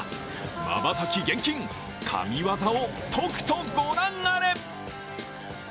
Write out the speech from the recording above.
まばたき厳禁、神業をとくと御覧あれ。